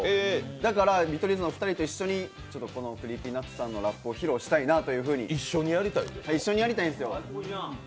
だから、見取り図の２人と一緒にＣｒｅｅｐｙＮｕｔｓさんのラップを披露したいなというふうに、一緒にやりたいんすよ。